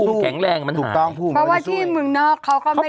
ถ้าภูมิแข็งแรงมันหายเพราะว่าที่มุมนอกเขาไม่ได้ให้